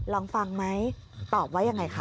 ลองฟังไหมตอบว่ายังไงคะ